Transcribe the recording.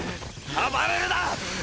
暴れるな！